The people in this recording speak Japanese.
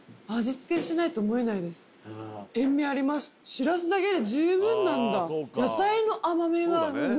シラスだけで十分なんだ。